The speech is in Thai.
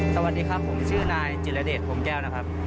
สวัสดีครับผมชื่อนายจิรเดชพรมแก้วนะครับ